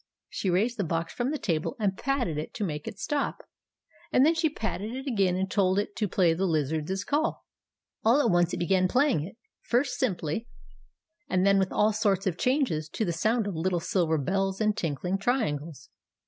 She raised the box from the table and patted it to make it stop, and then she patted it again and told it to play the Lizard's Call. At once it began playing it, — first simply, and then i 9 4 THE ADVENTURES OF MABEL with all sorts of changes, to the sound of little silver bells and tinkling triangles.